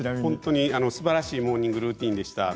すばらしいモーニングルーティンでした。